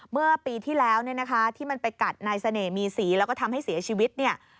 เมื่อปีที่แล้วที่มันไปกัดนายเสน่ห์มีสีแล้วก็ทำให้เสียชีวิต